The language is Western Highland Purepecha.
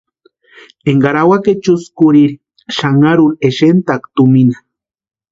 Énkari awaka ichusta kurhiri xanharuri exentʼaaka tumina.